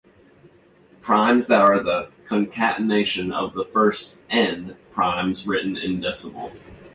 Primes that are the concatenation of the first "n" primes written in decimal.